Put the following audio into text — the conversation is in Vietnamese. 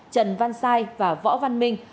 trần văn sai và võ văn minh